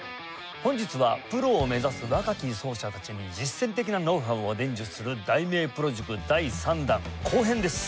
本日はプロを目指す若き奏者たちに実践的なノウハウを伝授する題名プロ塾第３弾後編です。